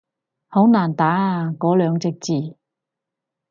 好難打啊嗰兩隻字